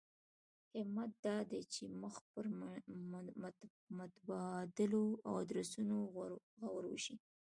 همت دا دی چې مخ پر متبادلو ادرسونو غور وشي.